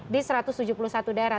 di satu ratus tujuh puluh satu daerah